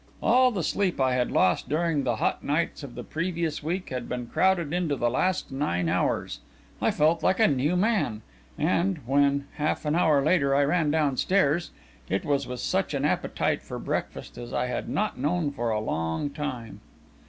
All the sleep I had lost during the hot nights of the previous week had been crowded into the last nine hours; I felt like a new man, and when, half an hour later, I ran downstairs, it was with such an appetite for breakfast as I had not known for a long time.